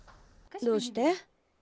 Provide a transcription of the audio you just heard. どうして？